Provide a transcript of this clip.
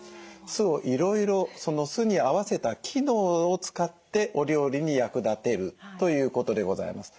酢をいろいろその酢に合わせた機能を使ってお料理に役立てるということでございます。